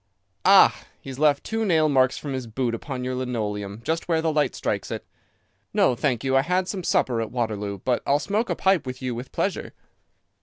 "Ah! He has left two nail marks from his boot upon your linoleum just where the light strikes it. No, thank you, I had some supper at Waterloo, but I'll smoke a pipe with you with pleasure."